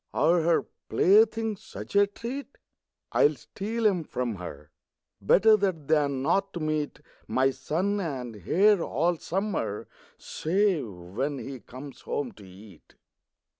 Are her playthings such a treat? I will steal 'em from her; Better that than not to meet My son and heir all summer, Save when he comes home to eat.